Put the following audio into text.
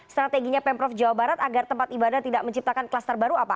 strateginya pemprov jawa barat agar tempat ibadah tidak menciptakan kluster baru apa